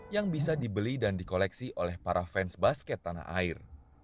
yang bisa dibeli dan dikoleksi oleh para fans basket tanah air